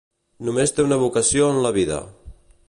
Només té una vocació en la vida: